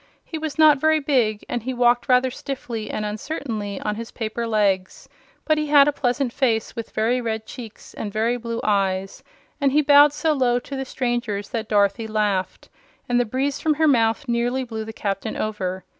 He was not very big, and he walked rather stiffly and uncertainly on his paper legs; but he had a pleasant face, with very red cheeks and very blue eyes, and he bowed so low to the strangers that Dorothy laughed, and the breeze from her mouth nearly blew the Captain over.